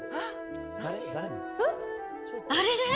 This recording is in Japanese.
あれれ？